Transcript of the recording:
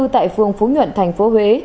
tại phường phú nhuận tp huế